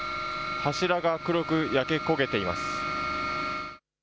柱が黒く焼け焦げています。